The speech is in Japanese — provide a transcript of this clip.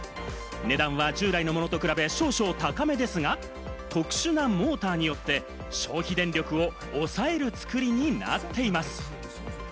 値段は従来のものと比べ少々高めですが、特殊なモーターによって消費電力を抑える作りになっています。